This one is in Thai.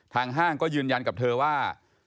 ห้างก็ยืนยันกับเธอว่า